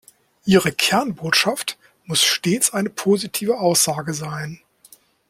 Ihre Kernbotschaft muss stets eine positive Aussage sein.